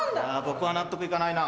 僕は納得行かないな。